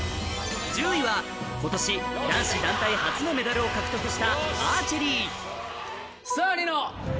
１０位は今年男子団体初のメダルを獲得したアーチェリーさぁニノ！